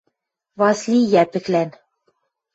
Васли Йӓпӹклӓн.